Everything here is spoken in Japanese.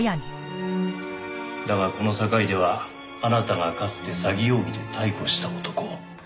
だがこの坂出はあなたがかつて詐欺容疑で逮捕した男。